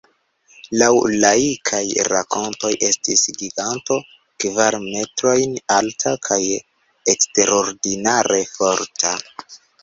Laŭ laikaj rakontoj estis giganto: kvar metrojn alta kaj eksterordinare forta.